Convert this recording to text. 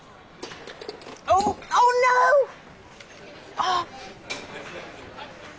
あっ！